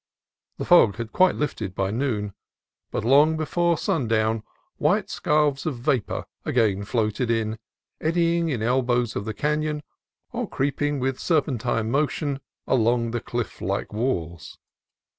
The fog had lifted by noon, but long before sundown white scarfs of vapor again floated in, eddying in elbows of the canon or creeping with serpentine motion along the cliff like walls.